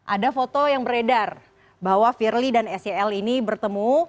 ada foto yang beredar bahwa firly dan sel ini bertemu